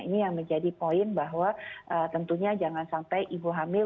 ini yang menjadi poin bahwa tentunya jangan sampai ibu hamil